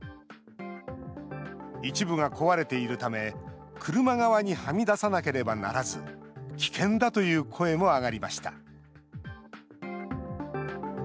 一部が壊れているため、車側にはみ出さなければならず、危険だという声も上がりました。